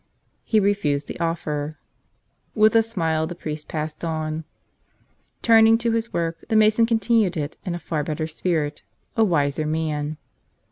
He refused the offer. With a smile the priest passed on. Turning to his work, the mason continued it in a far better spirit — a wiser man.